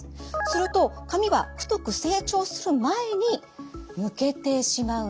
すると髪は太く成長する前に抜けてしまうんです。